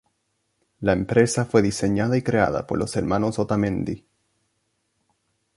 La empresa fue diseñada y creada por los hermanos Otamendi.